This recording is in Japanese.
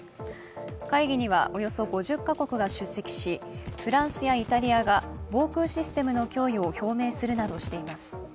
会議にはおよそ５０か国が出席しフランスやイタリアが防空システムの供与を表明するなどしています。